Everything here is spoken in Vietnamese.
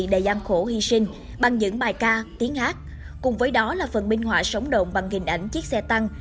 đầy gian khổ hy sinh bằng những bài ca tiếng hát cùng với đó là phần minh họa sóng động bằng hình ảnh chiếc xe tăng